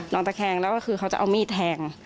ตะแคงแล้วก็คือเขาจะเอามีดแทง